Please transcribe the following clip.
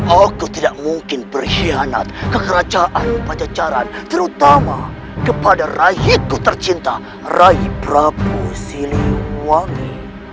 aku tidak mungkin berkhianat ke kerajaan pancacaran terutama kepada raihiku tercinta raih prabu siliwangi